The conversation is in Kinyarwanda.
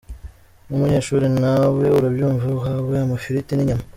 Nk’umunyeshuri nawe urabyumva uhawe amafiriti n’inyama.